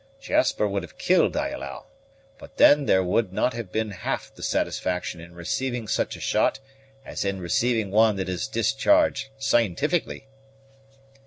Jasper would have killed, I allow; but then there would not have been half the satisfaction in receiving such a shot as in receiving one that is discharged scientifically."